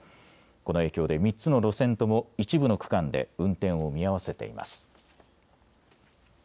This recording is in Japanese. この影響で３つの路線とも一部の区間で運転を見合わせています。